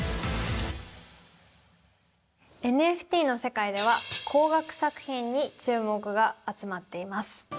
ＮＦＴの世界では高額作品に注目が集まっています。